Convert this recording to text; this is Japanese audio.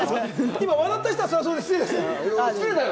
今、笑った人はそれはそれで失礼です失礼だぞ！